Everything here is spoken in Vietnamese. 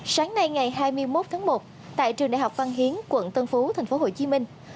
sáng nay ngày hai mươi một tháng một tại trường đại học văn hiến quận tân phú tp hcm